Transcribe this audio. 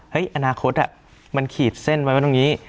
เฮ้ยอนาคตมันขีดเส้นไว้ตรงนี้